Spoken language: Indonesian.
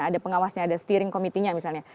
ada pengawasnya ada steering committee nya misalnya